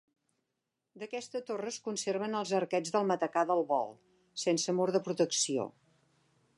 D'aquesta torre es conserven els arquets del matacà del volt, sense mur de protecció.